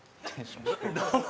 どうも。